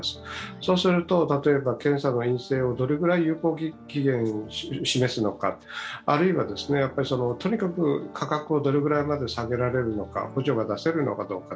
そうすると、検査の陰性をどれくらい有効期限を示すのか、あるいは、価格をどれぐらいまで下げられるのか補助が出せるのかどうか。